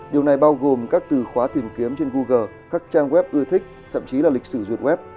điều này bao gồm các từ khóa tìm kiếm trên google các trang web ưa thích thậm chí là lịch sử ruột web